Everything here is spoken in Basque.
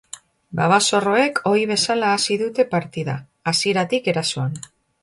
Babazorroek ohi bezala hasi dute partida, hasieratik erasoan.